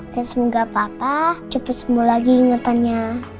dan semoga papa cepet sembuh lagi ingetannya